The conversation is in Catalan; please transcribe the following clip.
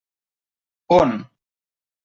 On?